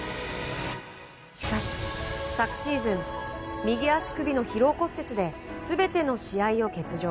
しかし、昨シーズン右足首の疲労骨折で全ての試合を欠場。